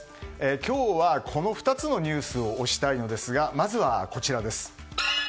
今日は、この２つのニュースを推したいのですがまずは、こちらです。